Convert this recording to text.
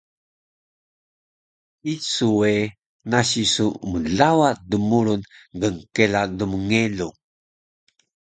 Isu we nasi su mlawa dmurun gnkela lmngelung